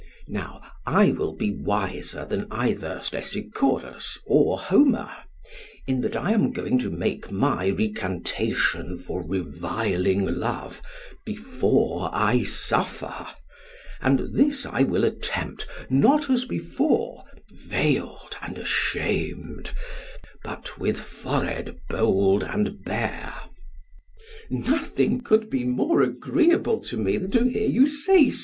Now I will be wiser than either Stesichorus or Homer, in that I am going to make my recantation for reviling love before I suffer; and this I will attempt, not as before, veiled and ashamed, but with forehead bold and bare. PHAEDRUS: Nothing could be more agreeable to me than to hear you say so.